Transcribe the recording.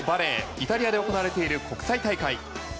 イタリアで行われている国際大会。